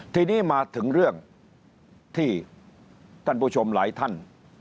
ทีนี้มาถึงเรื่องที่ท่านผู้ชมหลายท่าน